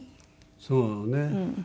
そうね。